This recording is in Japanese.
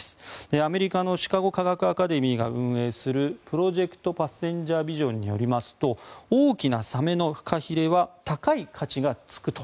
アメリカのシカゴ科学アカデミーが運営するプロジェクト・パッセンジャー・ピジョンでは大きなサメのフカヒレは高い価値がつくと。